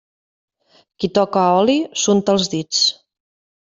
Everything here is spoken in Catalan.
Qui toca oli, s'unta els dits.